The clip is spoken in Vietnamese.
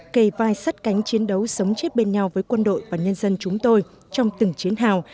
kề vai sắt cánh chiến đấu sống chết bên nhau với quân đội và nhân dân chúng tôi trong từng chiến hào